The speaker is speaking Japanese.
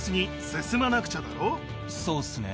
そうっすね。